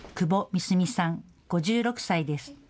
窪美澄さん、５６歳です。